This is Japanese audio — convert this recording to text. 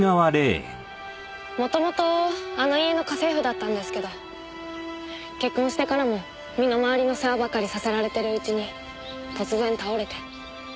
もともとあの家の家政婦だったんですけど結婚してからも身の回りの世話ばかりさせられてるうちに突然倒れて。